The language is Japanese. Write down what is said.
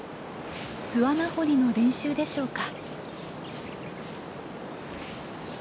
巣穴掘りの練習でしょうか。